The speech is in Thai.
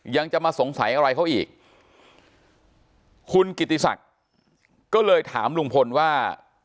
ยังจะมาสงสัยอะไรเขาอีกคุณกิติศักดิ์ก็เลยถามลุงพลว่า